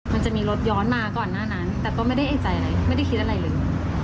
มันจะมีรถย้อนมาก่อนหน้านั้นแต่ก็ไม่ได้เอกใจอะไรไม่ได้คิดอะไรเลย